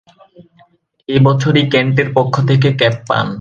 এ বছরই কেন্টের পক্ষ থেকে ক্যাপ পান।